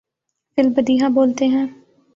فی البدیہہ بولتے ہیں۔